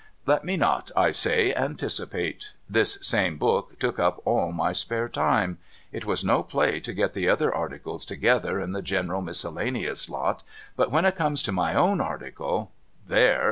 Let me not, I say, anticipate. This same book took up all my spare time. It was no play to get the other articles together in the general miscellaneous lot, but when it come to my own article ! There